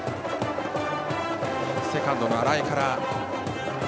セカンドの荒江から。